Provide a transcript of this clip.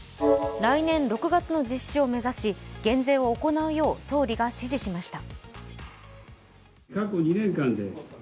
来年６月の実施を目指し減税を行うよう総理が指示しました。